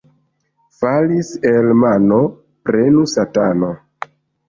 Falis el mano — prenu satano.